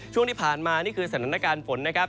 ช่วงที่ผ่านมานี่คือสถานการณ์ฝนนะครับ